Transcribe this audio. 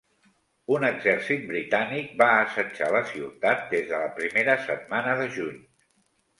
Un exèrcit britànic va assetjar la ciutat des de la primera setmana de juny.